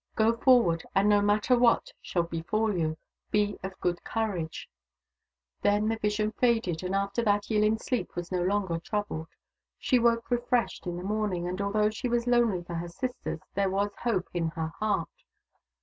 Go forward, and no matter what shall befall you, be of good courage." THE DAUGHTERS OF WONKAWALA 187 Then the vision faded, and after that Yilhn's sleep was no longer troubled. She woke refreshed in the morning, and although she was lonely for her sisters, there was hope in her heart.